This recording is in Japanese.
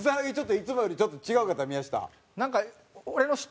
いつもよりちょっと違うかった？